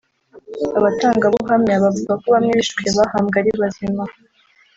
Abatangabuhamya bavuga ko bamwe bishwe bahambwe ari bazima